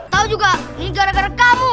tahu juga ini gara gara kamu